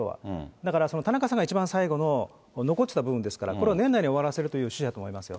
だから、田中さんが一番最後の残ってた部分ですから、これを年内に終わらせるという趣旨だと思いますよ。